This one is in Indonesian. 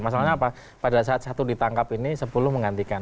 masalahnya apa pada saat satu ditangkap ini sepuluh menggantikan